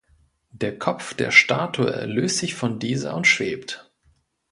Der Kopf der Statue löst sich von dieser und schwebt.